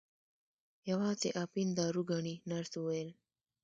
یوازې اپین دارو ګڼي نرس وویل.